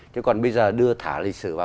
chứ còn bây giờ đưa thả lịch sử vào